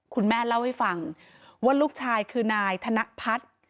คุณแม่เล่าให้ฟังว่าลูกชายคือนายธนพัฒน์